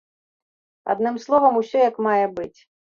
Адным словам, усё як мае быць.